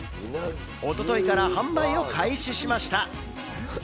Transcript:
おとといから販売を開始しました。